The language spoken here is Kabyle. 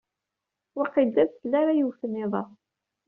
Waqil d adfel ara iwten iḍ-a.